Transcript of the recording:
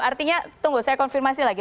artinya tunggu saya konfirmasi lagi